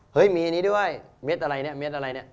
เฮ้ยมีอันนี้ด้วยเม็ดอะไรเนี่ย